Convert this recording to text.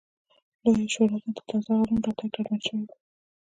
لویې شورا ته د تازه غړو راتګ ډاډمن شوی و